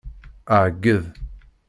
Ɛeggeḍ.